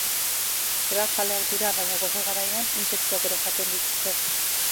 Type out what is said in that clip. Belarjaleak dira, baina gose garaian intsektuak ere jaten dituzte.